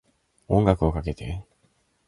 音楽をかけて